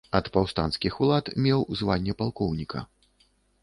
Ад паўстанцкіх улад меў званне палкоўніка.